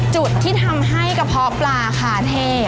จุดที่ทำให้กระเพาะปลาคาเท่